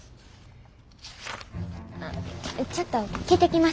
ちょっと聞いてきます。